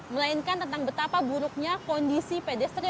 melainkan tentang betapa buruknya kondisi pedestrian